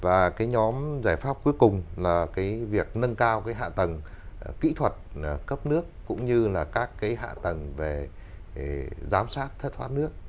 và cái nhóm giải pháp cuối cùng là cái việc nâng cao cái hạ tầng kỹ thuật cấp nước cũng như là các cái hạ tầng về giám sát thất thoát nước